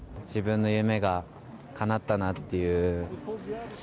自分の夢がかなったなっていう。